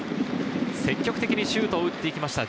積極的にシュートを打っていきました